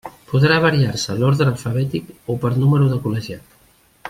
Podrà variar-se l'orde alfabètic o per número de col·legiat.